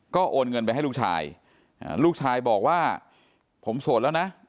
ก็โอนเงินไปให้ลูกชายลูกชายบอกว่าผมโสดแล้วนะ